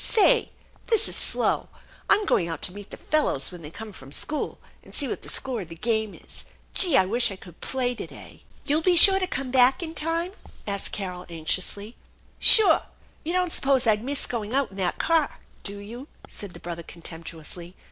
" Say, this is slow. I'm going out to meet the fellows when they come from school, and see what the score of the game is. Gee ! I wish I could play to day !"" You'll be sure to come back in time?" asked Carol anxiously. " Sure ! You don't suppose I'd miss going out 121 that car, do you ?" said the brother contemptuously.